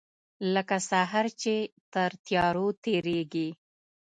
لکه سحر چې تر تیارو تیریږې